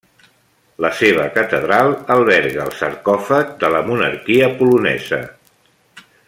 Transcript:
La seva catedral alberga el sarcòfag de la monarquia polonesa.